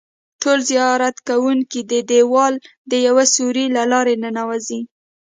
ټول زیارت کوونکي د دیوال د یوه سوري له لارې ننوځي.